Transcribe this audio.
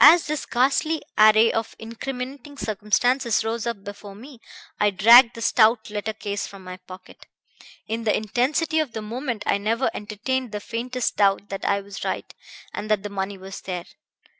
"As this ghastly array of incriminating circumstances rose up before me, I dragged the stout letter case from my pocket. In the intensity of the moment I never entertained the faintest doubt that I was right, and that the money was there.